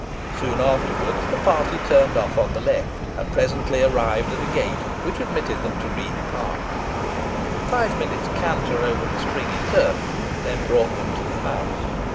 Soon afterwards the party turned off on the left, and presently arrived at a gate which admitted them to Read Park. Five minutes' canter over the springy turf then brought them to the house.